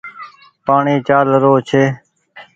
پآڻيٚ چآل رو ڇي۔